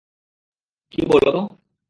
কী বলো তো?